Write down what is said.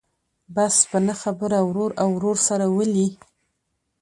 بس په نه خبره ورور او ورور سره ولي.